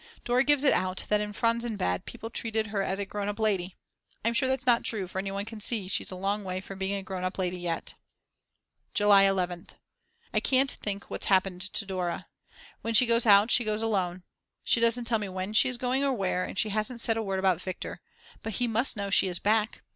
Dora gives it out that in Franzensbad people treated her as a grown up lady. I'm sure that's not true for anyone can see that she's a long way from being a grown up lady yet. July 11th. I can't think what's happened to Dora. When she goes out she goes alone. She doesn't tell me when she is going or where, and she hasn't said a word about Viktor. But he must know that she is back.